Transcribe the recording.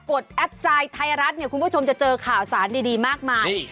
ดแอดไซด์ไทยรัฐเนี่ยคุณผู้ชมจะเจอข่าวสารดีมากมาย